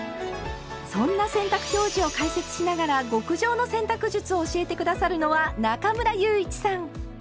そんな洗濯表示を解説しながら極上の洗濯術を教えて下さるのは中村祐一さん。